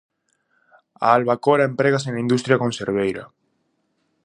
A albacora emprégase na industria conserveira.